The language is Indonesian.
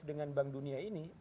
dengan bank dunia ini